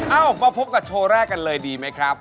เอามาพบกับโชว์แรกกันเลยดีไหมครับ